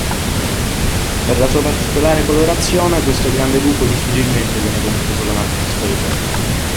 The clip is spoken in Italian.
Per la sua particolare colorazione, questo grande gufo difficilmente viene confuso con altre specie.